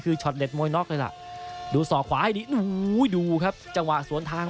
คือโมยน็อคเลยล่ะดูศอกขวาให้ดีอูดูครับจังหวะสวนทาง